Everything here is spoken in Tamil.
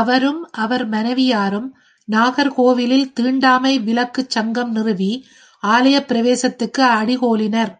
அவரும் அவர் மனைவியாரும் நாகர் கோவிலில் தீண்டாமை விலக்குச் சங்கம் நிறுவி ஆலயப் பிரவேசத்துக்கு அடிகோலினர்.